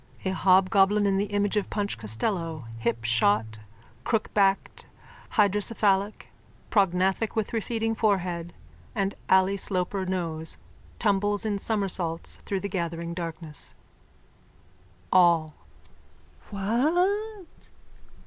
A hobgoblin in the image of Punch Costello, hipshot, crookbacked, hydrocephalic, prognathic with receding forehead and Ally Sloper nose, tumbles in somersaults through the gathering darkness.)_ ALL: What?